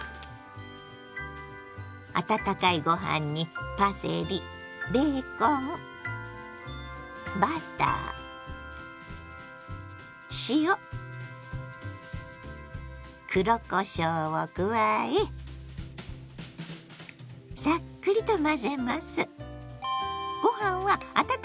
温かいご飯にパセリベーコンバター塩黒こしょうを加えサックリと混ぜます。